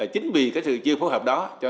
chính vì sự chưa phối hợp đó